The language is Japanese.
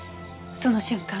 その瞬間